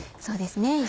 そうですね。